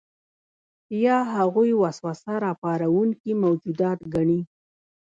یا هغوی وسوسه راپاروونکي موجودات ګڼي.